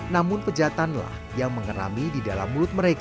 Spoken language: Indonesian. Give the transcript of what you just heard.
namun pejatanlah yang mengerami di dalam mulut mereka